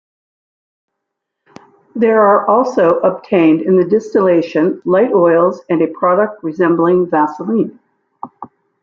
There are also obtained in the distillation light oils and a product resembling vaseline.